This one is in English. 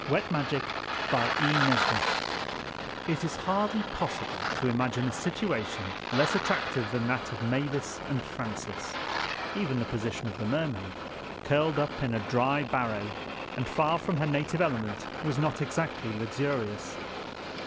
CHAPTER FOUR Gratitude IT IS HARDLY POSSIBLE to imagine a situation less attractive than that of Mavis and Francis—even the position of the Mermaid curled up in a dry barrow and far from her native element was not exactly luxurious.